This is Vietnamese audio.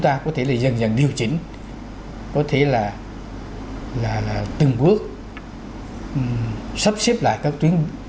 ta có thể là dần dần điều chỉnh có thể là từng bước sắp xếp lại các tuyến